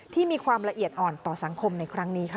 ที่มีความละเอียดอ่อนต่อสังคมในครั้งนี้ค่ะ